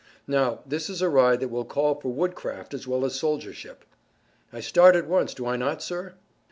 Now, this is a ride that will call for woodcraft as well as soldiership." "I start at once, do I not, sir?"